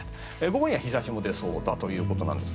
午後には日差しも出そうだということです。